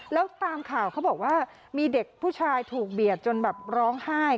แล้วตามข่าวเขาบอกว่ามีเด็กผู้ชายถูกเบียดจนแบบร้องไห้